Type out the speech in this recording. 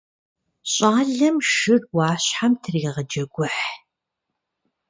ЩӀалэм шыр Ӏуащхьэм трегъэджэгухь.